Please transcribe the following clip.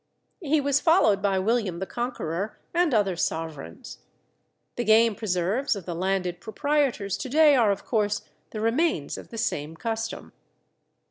He was followed by William the Conqueror and other sovereigns. The game preserves of the landed proprietors to day are, of course, the remains of the same custom.